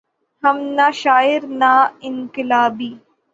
ہم نہ شاعر نہ انقلابی۔